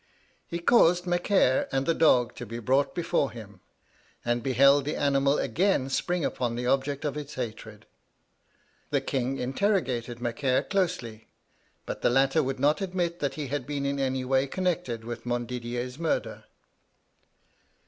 He caused Macaire and the dog to be brought before him, and beheld the animal again spring upon the object of its hatred. The king interrogated Macaire closely, but the latter would not admit that he had been in any way connected with Montdidier's murder.